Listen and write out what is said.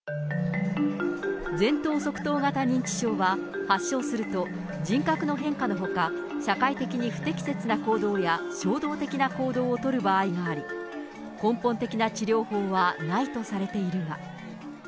前頭側頭型認知症は、発症すると、人格の変化のほか、社会的に不適切な行動や衝動的な行動を取る場合があり、根本的な治療法はないとされているが。